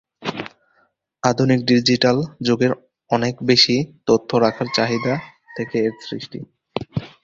আধুনিক ডিজিটাল যুগের অনেক বেশি তথ্য রাখার চাহিদা থেকে এর সৃষ্টি।